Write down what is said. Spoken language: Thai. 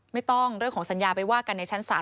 เรื่องของสัญญาไปว่ากันในชั้นศาล